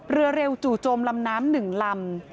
เรือเร็วจู่โจมลำน้ำ๑ลำ